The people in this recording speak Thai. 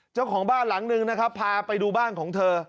เจ้าของบ้านหลังนึงนะครับพาไปดูบ้านของเธอ